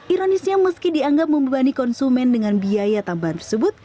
ironisnya meski dianggap membebani konsumen dengan biaya tambahan tersebut